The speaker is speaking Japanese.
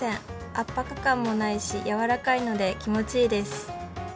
圧迫感もないしやわらかいので気持ちいいです。